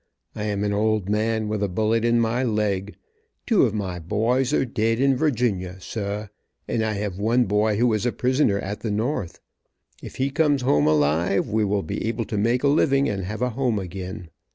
I am an old man, with a bullet in my leg. Two of my boys are dead, in Virginia, sah, and I have one boy who is a prisoner at the north. If he comes home alive, we will be able to make a living and have a home again.